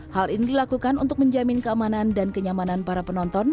hal ini dilakukan untuk menjamin keamanan dan kenyamanan para penonton